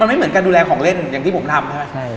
มันไม่เหมือนการดูแลของเล่นอย่างที่ผมทำใช่ไหม